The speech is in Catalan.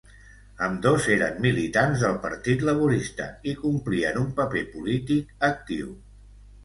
Ambdós eren militants del Partit Laborista i complien un paper polític actiu.